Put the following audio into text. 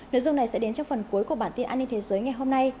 nội dung này sẽ đến trong phần cuối của bản tin an ninh thế giới ngày hôm nay